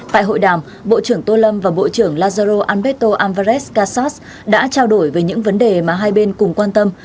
tại hội đàm bộ trưởng tô lâm và bộ trưởng lazaro anberto alvarez kassas đã trao đổi về những vấn đề mà hai bên cùng quan tâm